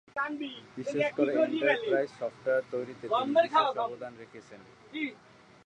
বিশেষ করে enterprise software তৈরিতে তিনি বিশেষ অবদান রেখেছেন।